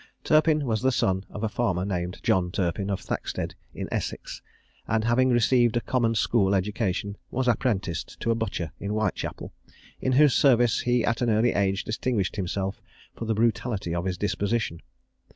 Turpin was the son of a farmer named John Turpin, at Thackstead, in Essex; and having received a common school education, was apprenticed to a butcher in Whitechapel, in whose service he at an early age distinguished himself for the brutality of his disposition.